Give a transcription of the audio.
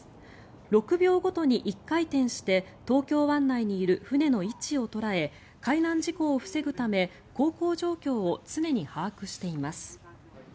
６秒ごとに１回転して東京湾内にいる船の位置を捉え海難事故を防ぐため航行状況を常に把握しています。